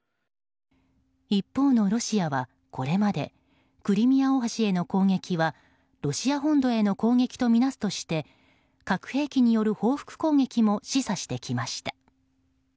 一方のロシアは、これまでクリミア大橋への攻撃はロシア本土への攻撃とみなすとして核兵器による報復攻撃も示唆してきました。